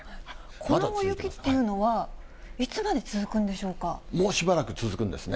この大雪というのは、いつまもうしばらく続くんですね。